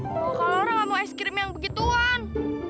kalau orang nggak mau ice cream yang begituan